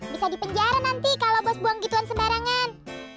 bisa dipenjara nanti kalau bos buang gituan sembarangan